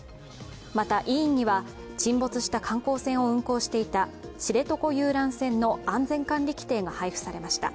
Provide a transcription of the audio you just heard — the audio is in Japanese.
また委員には、沈没した観光船を運航していた知床遊覧船の安全管理規程が配布されました。